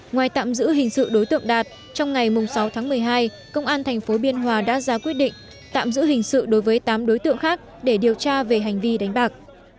ngoài tạm giữ hình sự đối tượng đạt trong ngày sáu tháng một mươi hai công an tp biên hòa đã ra quyết định tạm giữ hình sự đối với tám đối tượng khác để điều tra về hành vi đánh bạc